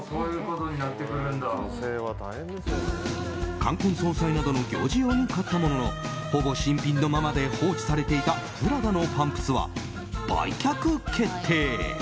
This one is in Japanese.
冠婚葬祭などの行事用に買ったもののほぼ新品のままで放置されていたプラダのパンプスは売却決定。